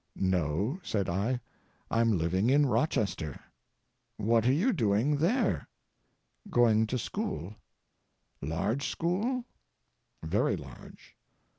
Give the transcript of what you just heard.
"No," said I, "I'm living in Rochester." "What are you doing there?" "Going to school." "Large school?" "Very large."